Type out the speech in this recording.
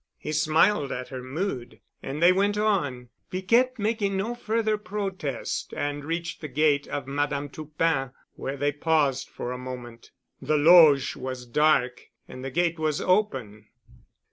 He smiled at her mood and they went on, Piquette making no further protest, and reached the gate of Madame Toupin, where they paused for a moment. The loge was dark and the gate was open.